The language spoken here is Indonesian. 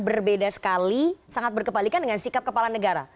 berbeda sekali sangat berkepalikan dengan sikap kepala negara